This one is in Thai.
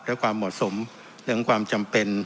และความเหมาะสมเรื่องความจำเป็น